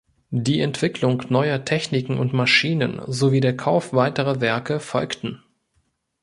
Die Entwicklung neuer Techniken und Maschinen sowie der Kauf weiterer Werke folgten.